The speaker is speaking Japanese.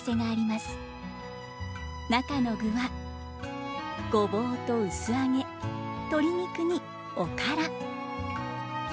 中の具はごぼうと薄揚げ鶏肉におから。